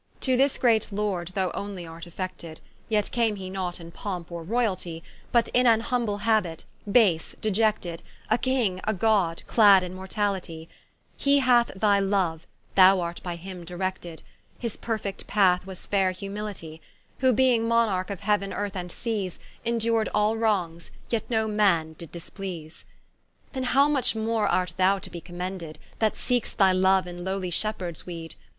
To this great Lord, thou onely art affected, Yet came he not in pompe or royaltie, But in an humble habit, base, deiected; A King, a God, clad in mortalitie, He hath thy loue, thou art by him directed, His perfect path was faire humilitie: Who being Monarke of heau'n, earth, and seas, Indur'd all wrongs, yet no man did displease. Then how much more art thou to be commended, That seek'st thy loue in lowly shepheards weed?